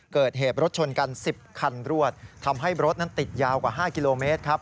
เกิดเหตุรถชนกัน๑๐คันรวดทำให้รถนั้นติดยาวกว่า๕กิโลเมตรครับ